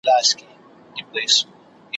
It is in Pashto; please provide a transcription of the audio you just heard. زه به د هغه ملاتړی یم ,